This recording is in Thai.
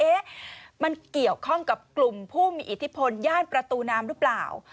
เอ๊ะมันเกี่ยวข้องกับกลุ่มผู้มีอิทธิพลย่านประตูน้ำหรือเปล่า